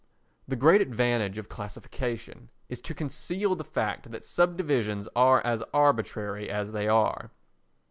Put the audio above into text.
The great advantage of classification is to conceal the fact that subdivisions are as arbitrary as they are.